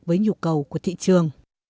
với nhu cầu của thị trường